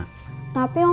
dia itu udah punya pacar